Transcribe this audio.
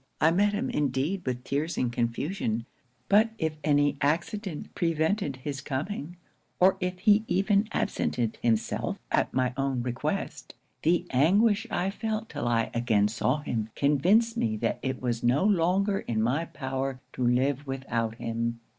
I met him indeed with tears and confusion; but if any accident prevented his coming, or if he even absented himself at my own request, the anguish I felt till I again saw him convinced me that it was no longer in my power to live without him.